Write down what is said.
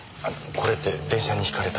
これって電車にひかれた。